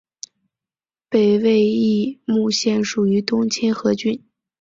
北魏绎幕县属于东清河郡。